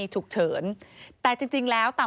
พบหน้าลูกแบบเป็นร่างไร้วิญญาณ